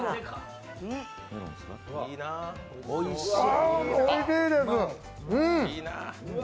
あ、おいしいです！